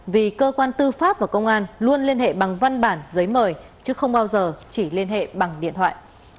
vì cơ quan tư pháp và công an luôn liên hệ bằng văn bản giấy mời chứ không bao giờ chỉ liên hệ bằng điện thoại